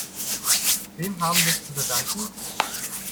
Wem haben wir es zu verdanken?